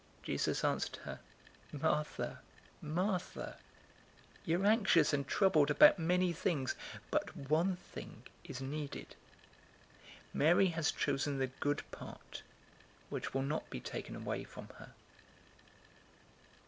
010:041 Jesus answered her, "Martha, Martha, you are anxious and troubled about many things, 010:042 but one thing is needed. Mary has chosen the good part, which will not be taken away from her."